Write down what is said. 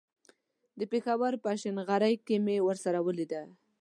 د پېښور په هشنغرۍ کې مې ورسره وليدل.